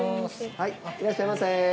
いらっしゃいませ。